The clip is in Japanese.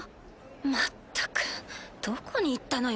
まったくどこに行ったのよ